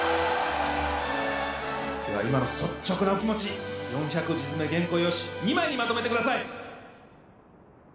では今の率直なお気持ち４００字詰め原稿用紙２枚にまとめてください！